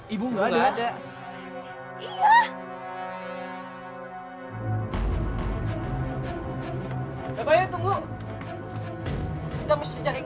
ibu gak pernah akan menjadi seperti ini